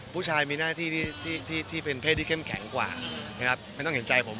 ผู้ชายมีหน้าที่ที่เป็นเพศที่เข้มแข็งกว่านะครับไม่ต้องเห็นใจผม